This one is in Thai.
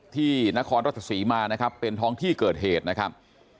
ที่นครราชศรีมานะครับเป็นท้องที่เกิดเหตุนะครับ